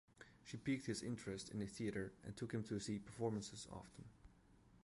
She piqued his interest in the theater and took him to see performances often.